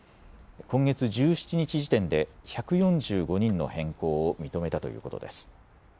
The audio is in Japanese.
今月１７日時点で１４５人の変更を認めたということです。